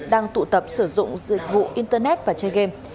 đang tụ tập sử dụng dịch vụ internet và chơi game